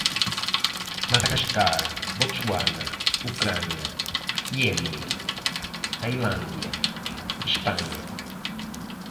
Madagáscar, Botswana, Ucrânia, Iêmen, Tailândia, Espanha